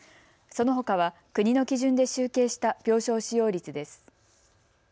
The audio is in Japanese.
そのほかは国の基準で集計した病床使用率です。